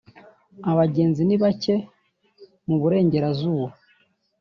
abagenzi ni bake mu burengerazuba